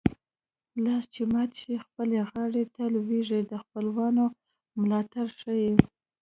لاس چې مات شي خپلې غاړې ته لوېږي د خپلوانو ملاتړ ښيي